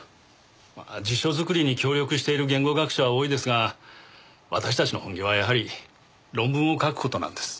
まあ辞書作りに協力している言語学者は多いですが私たちの本業はやはり論文を書く事なんです。